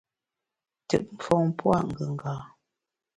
Ntùt mfon pua’ ngùnga.